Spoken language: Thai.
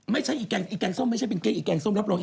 ไม่ใช่แกงส้มไม่ใช่เป็นเก้งอีกแกงส้มรับรอง